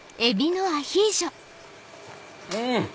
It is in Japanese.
うん！